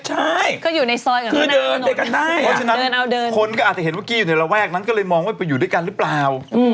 ใช่เพราะฉะนั้นคนก็อาจจะเห็นว่ากี้อยู่ในระแวกนั้นก็เลยมองว่าไปอยู่ด้วยกันหรือเปล่า